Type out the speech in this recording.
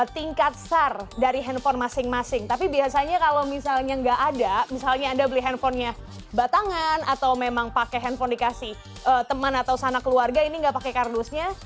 tingkat sar dari handphone masing masing tapi biasanya kalau misalnya nggak ada misalnya anda beli handphonenya batangan atau memang pakai handphone dikasih teman atau sana keluarga ini nggak pakai kardusnya